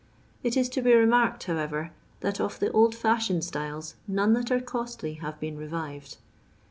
It is to be remarked, however, that of the old foshioned styles none that are costly have been revived.